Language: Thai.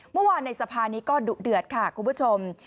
เมื่อวานในสภานี้ก็ดุเดือดค่ะคุณผู้ชม